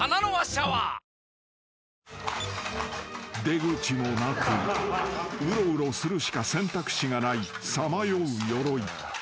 ［出口もなくうろうろするしか選択肢がないさまようヨロイ］